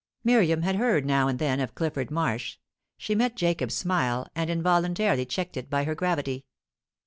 Miriam had heard now and then of Clifford Marsh. She met Jacob's smile, and involuntarily checked it by her gravity.